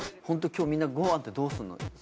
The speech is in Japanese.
ホント今日みんなご飯ってどうすんの？